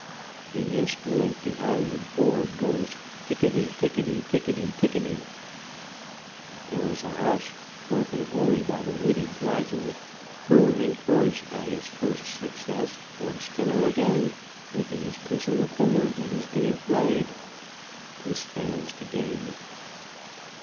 The instrument behind the board goes "Tick ity tick tick tickity." There is a hush, broken only by the witty graduate, who, encouraged by his first success, wants to know again if it is puss in the corner that is being played. This fails to gain.